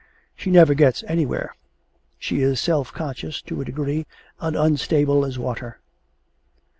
She never gets anywhere. She is self conscious to a degree and unstable as water.